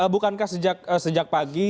bukankah sejak pagi